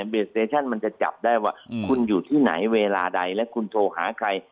เบสเตชั่นมันจะจับได้ว่าคุณอยู่ที่ไหนเวลาใดและคุณโทรหาใคร